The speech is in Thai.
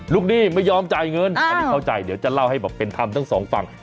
หนี้ไม่ยอมจ่ายเงินอันนี้เข้าใจเดี๋ยวจะเล่าให้แบบเป็นธรรมทั้งสองฝั่ง